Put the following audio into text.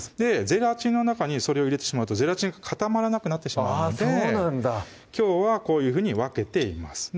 ゼラチンの中にそれを入れてしまうとゼラチンが固まらなくなってしまうのできょうはこういうふうに分けて入れます